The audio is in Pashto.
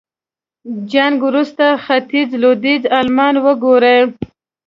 جنګ وروسته ختيځ لوېديځ المان وګورو.